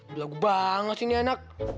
berlagu banget sih ini anak